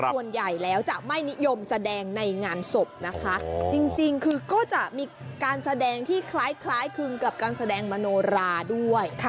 ส่วนใหญ่แล้วจะไม่นิยมแสดงในงานศพนะคะจริงคือก็จะมีการแสดงที่คล้ายคลึงกับการแสดงมโนราด้วย